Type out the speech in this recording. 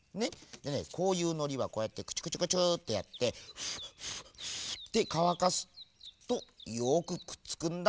でねこういうのりはこうやってクチュクチュクチュッてやって。ってかわかすとよくくっつくんだ。